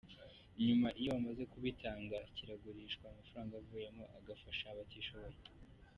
Nyuma iyo bamaze kubitanga kiragurishwa amafaranga avuyemo agafasha abatishoboye.